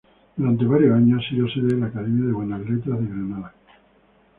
Durante varios años, ha sido sede de la Academia de Buenas Letras de Granada.